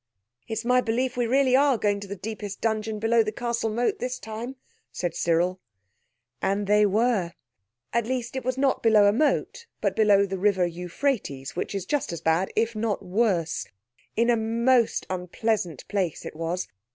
"It's my belief we really are going to the deepest dungeon below the castle moat this time," said Cyril. And they were. At least it was not below a moat, but below the river Euphrates, which was just as bad if not worse. In a most unpleasant place it was.